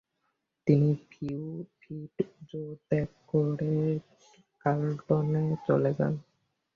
তিনি ফিটজরয় ত্যাগ করে কার্লটনে চলে যান।